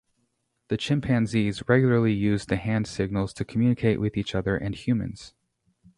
The chimpanzees regularly use the hand signals to communicate with each other and humans.